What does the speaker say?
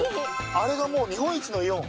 あれがもう日本一のイオン。